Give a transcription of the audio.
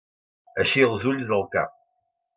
Eixir els ulls del cap.